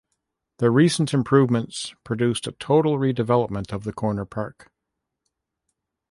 The recent improvements produced a total redevelopment of the corner park.